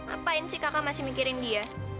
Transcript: ngapain sih kakak masih mikirin dia